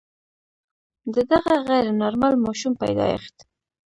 د دغه غیر نارمل ماشوم پیدایښت.